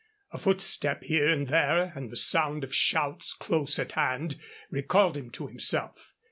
A footstep here and there and the sound of shouts close at hand recalled him to himself.